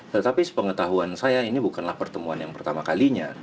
tetapi sepengetahuan saya ini bukanlah pertemuan yang pertama kalinya